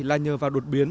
là nhờ vào đột biến